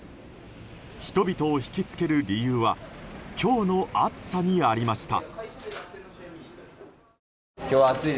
人々を引きつける理由は今日の暑さにありました。